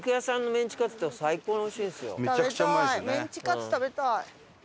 メンチカツ食べたい。